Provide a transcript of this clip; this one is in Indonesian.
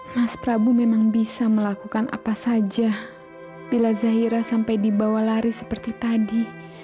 mas prabu memang bisa melakukan apa saja bila zahira sampai dibawa lari seperti tadi